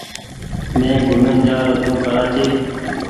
مين گھومين جآ رو ڇون ڪرآچي ۔